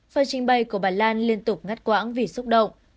phần trình bày của bà lan liên tục ngắt quãng vì xúc động